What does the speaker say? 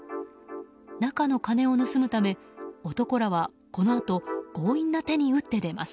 中の金を盗むため男らはこのあと強引な手に打って出ます。